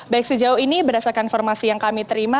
baik sejauh ini berdasarkan informasi yang kami terima